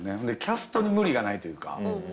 でキャストに無理がないというか。